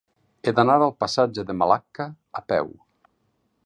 He d'anar al passatge de Malacca a peu.